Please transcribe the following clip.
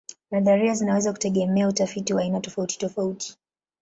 Nadharia zinaweza kutegemea utafiti wa aina tofautitofauti.